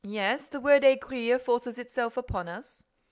"Yes, the word aiguille forces itself upon us."